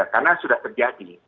karena sudah terjadi